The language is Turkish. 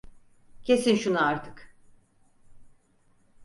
Kesin şunu artık!